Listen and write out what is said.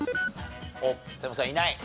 おっ田山さんいない？